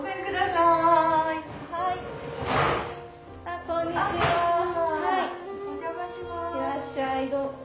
いらっしゃい。